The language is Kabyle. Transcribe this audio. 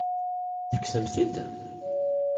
Tekksem-t-id?